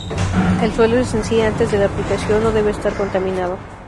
El suelo en sí antes de la aplicación no debe estar contaminado.